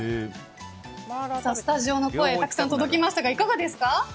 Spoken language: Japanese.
スタジオの声たくさん届きましたがいかがですか？